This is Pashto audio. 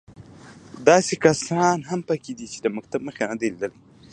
داسې کسان هم په کې دي چې د مکتب مخ یې نه دی لیدلی.